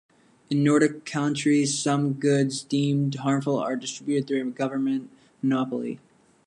In Nordic countries some goods deemed harmful are distributed through a government monopoly.